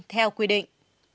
theo quy định